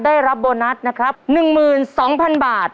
ได้รับโบนัสนะครับ๑๒๐๐๐บาท